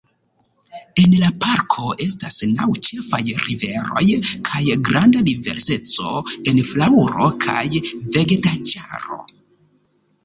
En la parko estas naŭ ĉefaj riveroj kaj granda diverseco en flaŭro kaj vegetaĵaro.